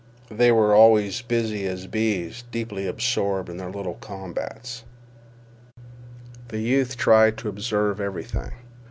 They were always busy as bees, deeply absorbed in their little combats. The youth tried to observe everything.